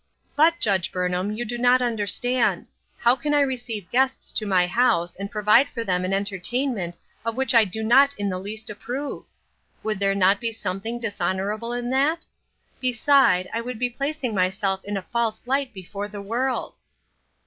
"But, Judge Burnham, you do not understand; how can I receive guests to my house, and provide for them an entertainment of which I do not in the least approve? Would there not be something dishonorable in that ? Beside, I would be placing myself in a false light before the world."